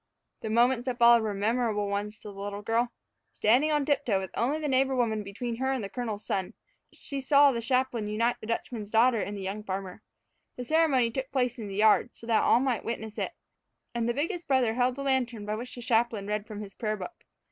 The moments that followed were memorable ones to the little girl. Standing by on tiptoe, with only the neighbor woman between her and the colonel's son, she saw the chaplain unite the Dutchman's daughter and the young farmer. The ceremony took place in the yard, so that all might witness it, and the biggest brother held the lantern by which the chaplain read from his prayer book.